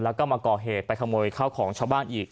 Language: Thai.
แล้วก็มาก่อเหตุไปขโมยข้าวของชาวบ้านอีก